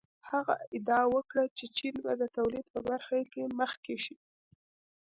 هغه ادعا وکړه چې چین به د تولید په برخه کې مخکې شي.